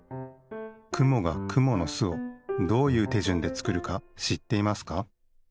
くもがくものすをどういうてじゅんでつくるかしっていますか？